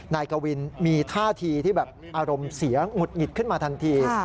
นายกวินมีท่าทีที่แบบอารมณ์เสียหงุดหงิดขึ้นมาทันที